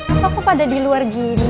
aku pada di luar gini